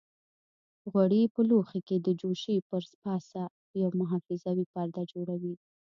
غوړي په لوښي کې د جوشې پر پاسه یو محافظوي پرده جوړوي.